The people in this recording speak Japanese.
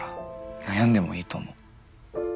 悩んでもいいと思う。